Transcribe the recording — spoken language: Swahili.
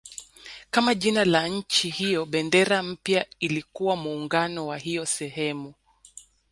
Kama jina la nchi hiyo bendera mpya ilikuwa muunganiko wa hiyo sehemu